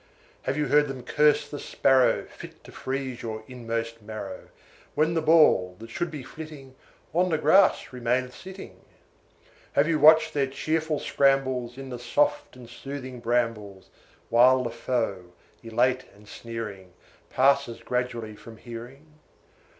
Have you heard them curse the sparrow Fit to freeze your inmost marrow, When the ball, that should be flitting, On the grass remaineth sitting? Have you watched their cheerful scrambles In the soft and soothing brambles While the foe, elate and sneering, Passes gradually from hearing?